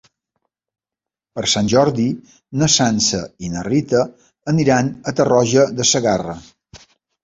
Per Sant Jordi na Sança i na Rita aniran a Tarroja de Segarra.